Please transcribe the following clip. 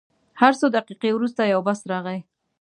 هر څو دقیقې وروسته یو بس راغی.